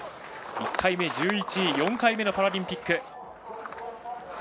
１回目、１１位４回目のパラリンピック。